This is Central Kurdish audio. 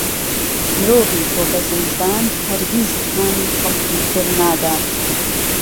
مرۆڤی خۆبەزلزان هەرگیز هانی خەڵکی تر نادات.